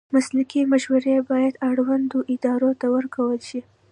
مسلکي مشورې باید اړوندو ادارو ته ورکړل شي.